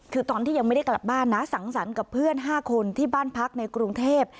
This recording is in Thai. คือตอนที่ยังไม่ได้กลับบ้านนะสังสรรค์กับเพื่อน๕คนที่บ้านพักในกรุงเทพ